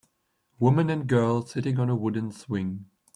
Woman and girl sitting on a wooden swing